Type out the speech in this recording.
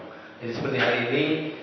jadi sebenarnya hari ini